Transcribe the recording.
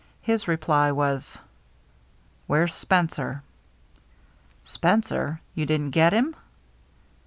His reply was, "Where's Spencer?" " Spencer ? You didn't get him